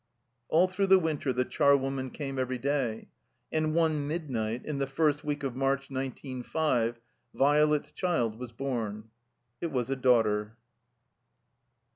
All through the winter the charwoman came every day. And one midnight, in the first week of March, nineteen five, Violet's diild was bom. It was a daughter.